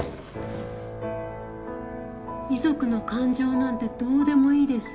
遺族の感情なんてどうでもいいです